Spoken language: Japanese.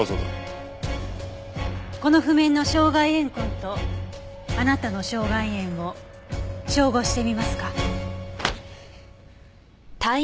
この譜面の掌外沿痕とあなたの掌外沿を照合してみますか？